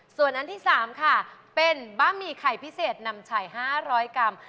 ส่วนอันที่สามค่ะเป็นบ้ามีไข่พิเศษนำชัยห้าร้อยกรัม